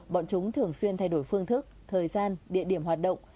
bọn chúng thường xuyên thay đổi phương thức thời gian địa điểm hoạt động